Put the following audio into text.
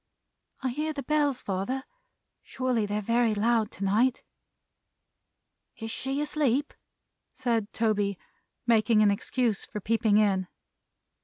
"I hear the Bells, father. Surely they're very loud to night." "Is she asleep?" said Toby, making an excuse for peeping in.